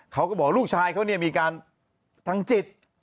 เขาก็บอกลูกชายเขาเนี่ยมีการทางจิต